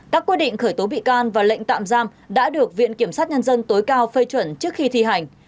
các quy định khởi tố bị can và lệnh tạm giam đã được viện kiểm sát nhân dân tối cao phê chuẩn trước khi thi hành